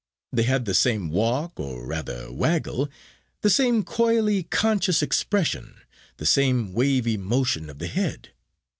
They had the same walk, or rather waggle, the same coyly conscious expression, the same wavy motion of the head.